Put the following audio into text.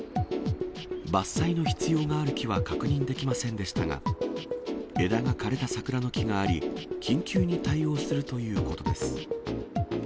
伐採の必要がある木は確認できませんでしたが、枝が枯れた桜の木があり、緊急に対応するということです。